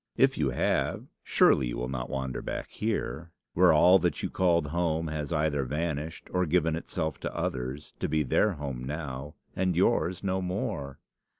If you have, surely you will not wander back here, where all that you called home has either vanished or given itself to others, to be their home now and yours no more!